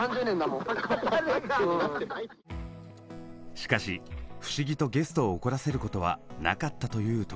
しかし不思議とゲストを怒らせることはなかったという永。